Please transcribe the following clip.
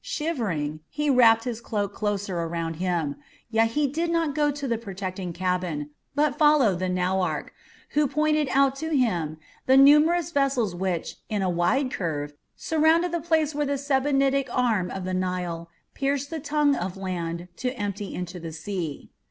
Shivering, he wrapped his cloak closer around him, yet he did not go to the protecting cabin, but followed the nauarch, who pointed out to him the numerous vessels which, in a wide curve, surrounded the place where the Sebennytic arm of the Nile pierced the tongue of land to empty into the sea.